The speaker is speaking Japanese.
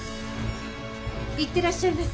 行ってらっしゃいませ。